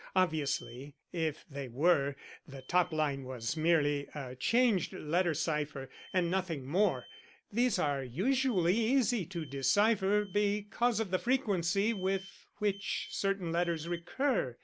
Obviously, if they were, the top line was merely a changed letter cipher, and nothing more. These are usually easy to decipher because of the frequency with which certain letters recur.